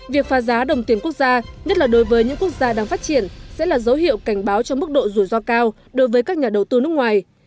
việc pha giá đồng tiền quốc gia nhất là đối với những quốc gia đang phát triển sẽ là dấu hiệu cảnh báo cho mức độ rủi ro cao đối với các nhà đầu tư nước ngoài